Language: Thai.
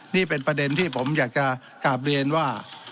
นี่เป็นประเด็นที่ผมอยากจะกลับเรียนว่า